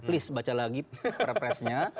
please baca lagi perpresnya